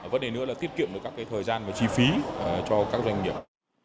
vấn đề nữa là tiết kiệm được các thời gian và chi phí cho các doanh nghiệp